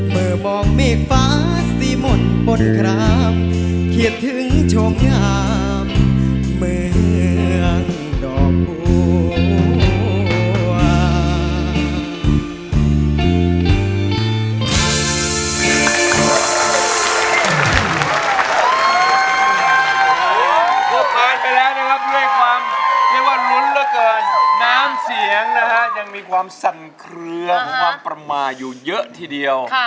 เมื่อมองเมฆฟ้าสีหมดบนครามเฮียดถึงโชงหยามเมืองดอกบัว